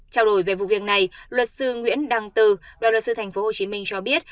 trao đổi về vụ việc này luật sư nguyễn đăng từ đoàn luật sư thành phố hồ chí minh cho biết